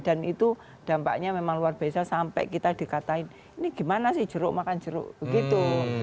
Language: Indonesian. dan itu dampaknya memang luar biasa sampai kita dikatain ini gimana sih jeruk makan jeruk begitu